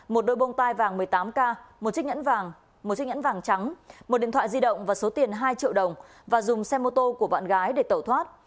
một đôi bông tai vàng một mươi tám k một chiếc nhẫn vàng trắng một điện thoại di động và số tiền hai triệu đồng và dùng xe mô tô của bạn gái để tẩu thoát